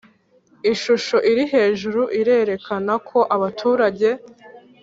Ishusho iri hejuru irerekana ko abaturage